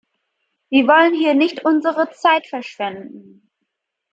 Wir wollen hier nicht unsere Zeit verschwenden.